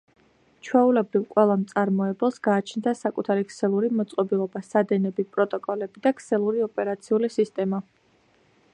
ჩვეულებრივ ყველა მწარმოებელს გააჩნდა საკუთარი ქსელური მოწყობილობა, სადენები, პროტოკოლები და ქსელური ოპერაციული სისტემა.